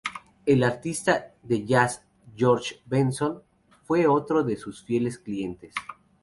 El artista de jazz George Benson fue otro de sus fieles clientes.